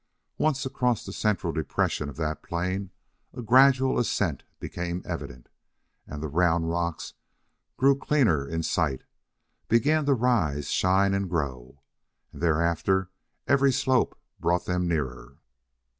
Once across the central depression of that plain a gradual ascent became evident, and the round rocks grew clearer in sight, began to rise shine and grow. And thereafter every slope brought them nearer.